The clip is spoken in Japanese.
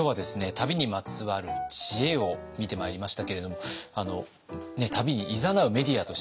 旅にまつわる知恵を見てまいりましたけれども旅にいざなうメディアとして宮田さん